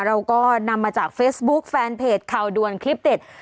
เราก็นำมาจากเฟซบุ๊คแฟนเพจข่าวด่วนคลิปเด็ด